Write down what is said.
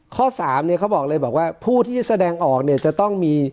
ข้อ๓เนี่ยเขาบอกเลยบอกว่าผู้ที่แสดงออกเนี่ยจะต้องมี